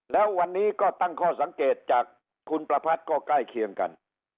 แล้ววันนี้ก็ตั้งข้อสังเกตจากคุณประพัทธ์ก็ใกล้เคียงกัน